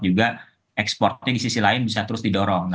juga ekspornya di sisi lain bisa terus didorong